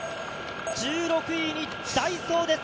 １６位にダイソーです。